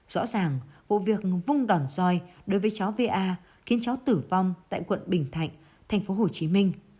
rõ ràng vụ việc vung đòn roi đối với cháu va khiến cháu tử vong tại quận bình thạnh thành phố hồ chí minh